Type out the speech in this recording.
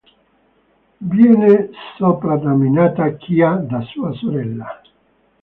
Viene soprannominata "Chia" da sua sorella.